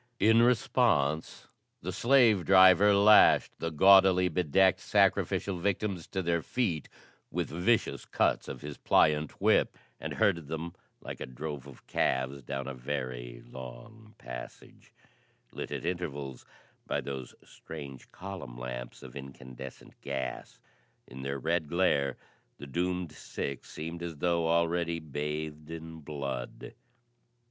In response, the slave driver lashed the gaudily bedecked sacrificial victims to their feet with vicious cuts of his pliant whip, and herded them like a drove of calves down a very long passage, lit at intervals by those strange column lamps of incandescent gas. In their red glare the doomed six seemed as though already bathed in blood.